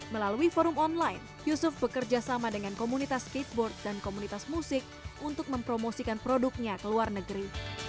melalui forum online yusuf bekerja sama dengan komunitas skateboard dan komunitas musik untuk mempromosikan produknya ke luar negeri